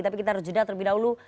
tapi kita harus jeda terlebih dahulu